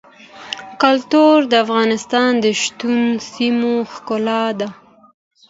کلتور د افغانستان د شنو سیمو ښکلا ده.